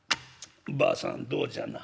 ばあさんどうじゃな？